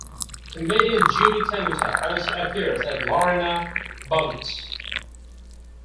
Comedian Judy Tenuta also appears as Lorena Bobbitt.